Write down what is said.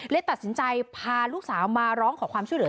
ตัดสินใจพาลูกสาวมาร้องขอความช่วยเหลือ